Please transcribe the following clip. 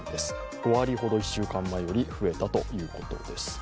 ５割ほど１週間前より増えたということです。